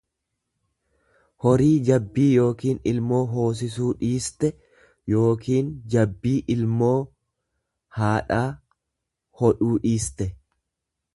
horii jabbii yookiin ilmoo hoosisuu dhiiste yookiin jabbiiilmoo haadhaa hodhuu dhiiste.